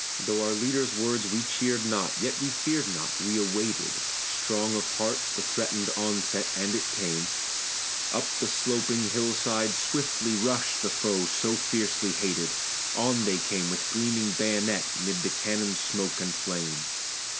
Though our leader's words we cheered not, yet we feared not; we awaited, Strong of heart, the threatened onset, and it came: Up the sloping hill side swiftly rushed the foe so fiercely hated; On they came with gleaming bayonet 'mid the cannon's smoke and flame.